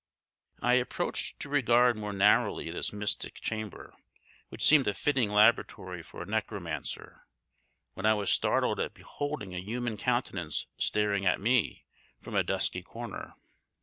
I approached to regard more narrowly this mystic chamber, which seemed a fitting laboratory for a necromancer, when I was startled at beholding a human countenance staring at me from a dusky corner.